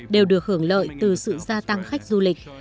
đều được hưởng lợi từ sự gia tăng khách du lịch